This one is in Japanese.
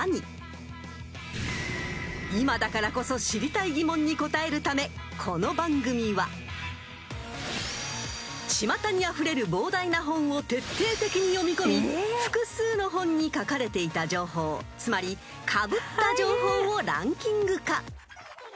［今だからこそ知りたい疑問に答えるためこの番組はちまたにあふれる膨大な本を徹底的に読み込み複数の本に書かれていた情報つまりかぶった情報をランキング化］